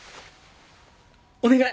お願い！